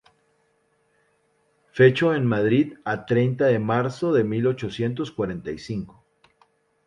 Fecho en Madrid a treinta de marzo de mil ochocientos cuarenta y cinco.